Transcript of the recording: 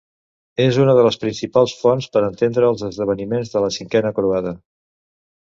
És una de les principals fonts per entendre els esdeveniments de la Cinquena Croada.